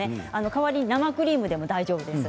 代わりに生クリームでも大丈夫です。